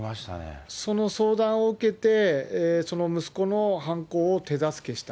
その相談を受けて、息子の犯行を手助けした。